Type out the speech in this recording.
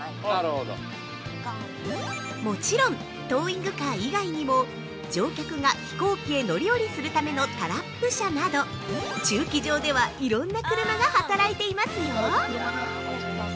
◆もちろん、トーイングカー以外にも、乗客が飛行機へ乗り降りするための「タラップ車」など、駐機場ではいろんな車が働いていますよ。